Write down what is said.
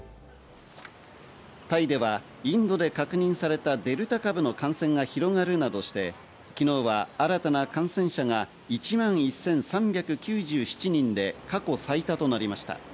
タイではインドで確認されたデルタ株の感染が広がるなどして、昨日は新たな感染者が１万１３９７人で過去最多となりました。